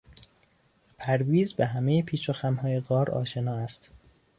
پرویز به همهی پیچ و خمهای غار آشنا است.